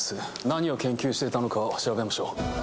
何を研究していたのかを調べまし